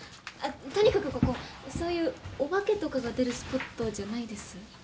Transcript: とにかくここそういうお化けとかが出るスポットじゃないです？